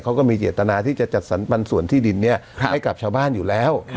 เขาก็มีเจตนาที่จะจัดสรรปันส่วนที่ดินนี้ให้กับชาวบ้านอยู่แล้ว